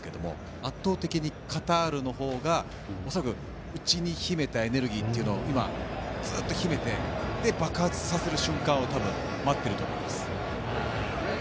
圧倒的にカタールの方が恐らく内に秘めたエネルギーを今、ずっと秘めて爆発させる瞬間を多分、待っていると思います。